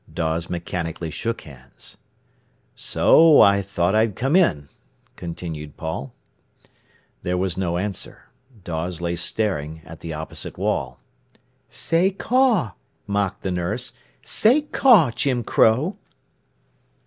Dawes mechanically shook hands. "So I thought I'd come in," continued Paul. There was no answer. Dawes lay staring at the opposite wall. "Say 'Caw!'" mocked the nurse. "Say 'Caw!' Jim Crow."